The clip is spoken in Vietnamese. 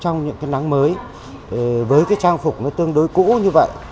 trong những cái nắng mới với cái trang phục nó tương đối cũ như vậy